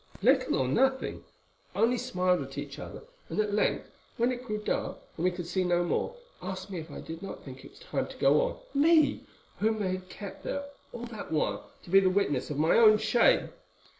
"Little or nothing, only smiled at each other, and at length, when it grew dark and we could see no more, asked me if I did not think that it was time to go—me! whom they had kept there all that while to be the witness of my own shame."